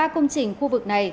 ba công trình khu vực này